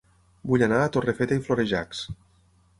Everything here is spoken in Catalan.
Vull anar a Torrefeta i Florejacs